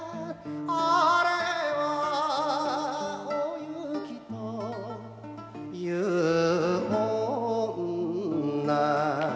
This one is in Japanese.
「あれはおゆきという女」